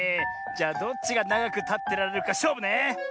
じゃどっちがながくたってられるかしょうぶね！